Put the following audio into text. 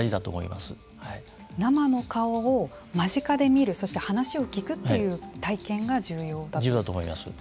生の顔を間近で見るそして話を聞くという重要だと思います。